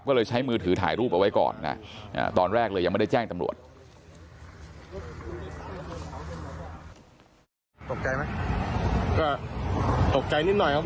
ก็เลยใช้มือถือถ่ายรูปเอาไว้ก่อนนะตอนแรกเลยยังไม่ได้แจ้งตำรวจ